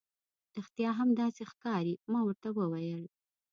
رښتیا هم، داسې ښکاري. ما ورته وویل.